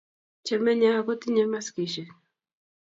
chemenye ak kotinye maskishek